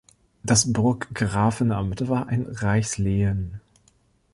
Das Burggrafenamt war ein Reichslehen.